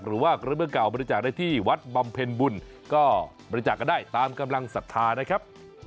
หรือว่ากระเบื้องเก่าบริจาคได้ที่วัดบำเพ็ญบุญก็บริจาคก็ได้ตามกำลังศรัทธานะครับ